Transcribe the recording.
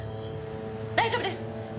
大丈夫です。